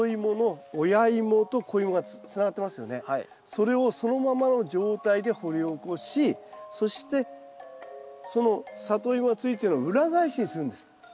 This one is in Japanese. それをそのままの状態で掘り起こしそしてそのサトイモがついてるのを裏返しにするんです。